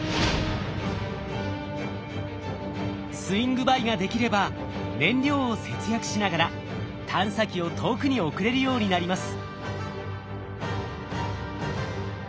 スイングバイができれば燃料を節約しながら探査機を遠くに送れるようになります。